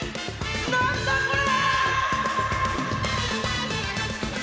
なんだこれ！